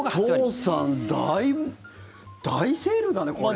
お父さん、だいぶ大セールだね、これは。